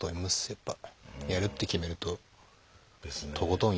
やっぱやるって決めるととことんやる人だった。